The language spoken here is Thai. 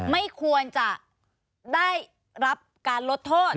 ไม่ควรจะได้รับการลดโทษ